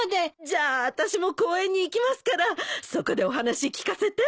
じゃああたしも公園に行きますからそこでお話聞かせて。